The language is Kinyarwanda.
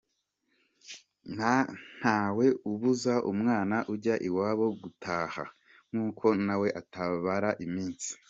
Ntawe ubuza umwana ujya iwabo gutaha, nk’uko nawe atabara iminsi!